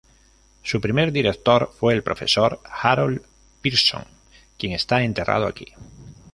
Su primer director fue el Profesor Harold Pearson, quien está enterrado aquí.